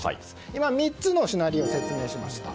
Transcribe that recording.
今、３つのシナリオを説明しました。